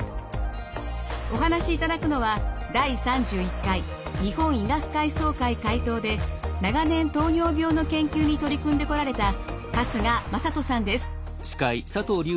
お話しいただくのは第３１回日本医学会総会会頭で長年糖尿病の研究に取り組んでこられた春日雅人さんです。